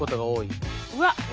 うわっ。